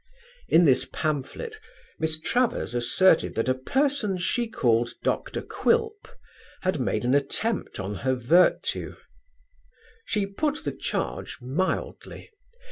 In this pamphlet Miss Travers asserted that a person she called Dr. Quilp had made an attempt on her virtue. She put the charge mildly.